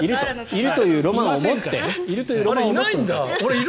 いるというロマンを持って。